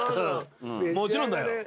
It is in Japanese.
もちろんだよ。